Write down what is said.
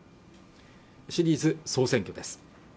シリーズ総選挙です